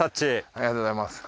ありがとうございます。